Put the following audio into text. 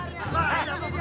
ini dia nih